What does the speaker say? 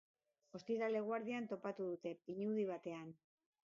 Ostiral eguerdian topatu dute, pinudi batean.